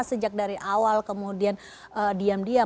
sejak dari awal kemudian diam diam